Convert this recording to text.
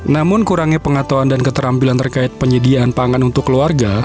namun kurangnya pengatauan dan keterampilan terkait penyediaan pangan untuk keluarga